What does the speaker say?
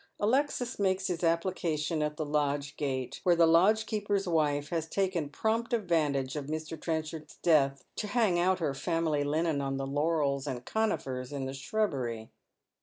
Alexis makes his application at the lodge gate, where the lodgekeeper's wife has taken prompt advantage of Mr. Trenchard's death to hang out her family linen on the laurels and conifers in the shrubbery.